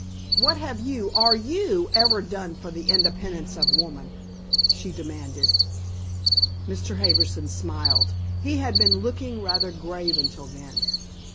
"What have you, or YOU, ever done for the independence of woman?" she demanded. Mr. Harbison smiled. He had been looking rather grave until then.